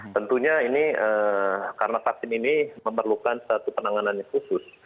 tentunya ini karena vaksin ini memerlukan satu penanganan yang khusus